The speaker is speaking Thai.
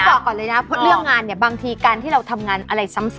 บอกก่อนเลยนะเพราะเรื่องงานเนี่ยบางทีการที่เราทำงานอะไรซ้ำ